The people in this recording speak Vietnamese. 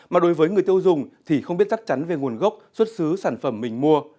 mà đối với người tiêu dùng thì không biết chắc chắn về nguồn gốc xuất xứ sản phẩm mình mua